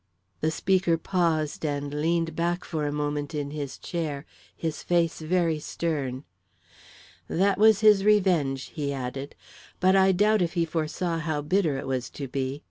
The speaker paused and leaned back for a moment in his chair, his face very stern. "That was his revenge," he added. "But I doubt if he foresaw how bitter it was to be.